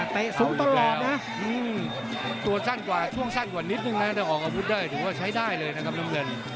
แต่ต้องออกอาวุธได้ถือว่าใช้ได้เลยนะครับน้ำเงิน